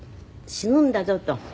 死ぬんだぞとねえ。